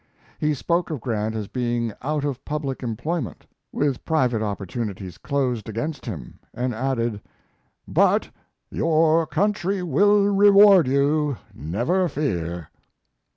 He spoke of Grant as being out of public employment, with private opportunities closed against him, and added, "But your country will reward you, never fear."